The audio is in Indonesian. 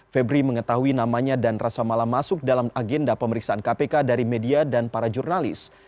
febri mengetahui namanya dan rasa mala masuk dalam agenda pemeriksaan kpk dari media dan para jurnalis